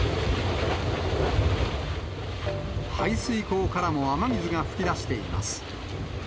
排水溝からも雨水が噴き出しています。